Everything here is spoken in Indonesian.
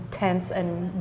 dan juga dengan